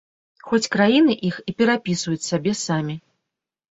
Хоць краіны іх і прапісваюць сабе самі.